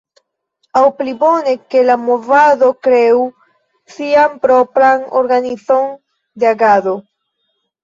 Aŭ pli bone, ke la movado kreu sian propran organizon de agado.